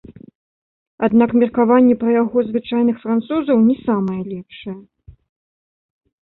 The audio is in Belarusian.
Аднак меркаванне пра яго звычайных французаў не самае лепшае.